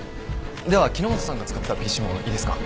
では木之本さんが使ってたＰＣもいいですか？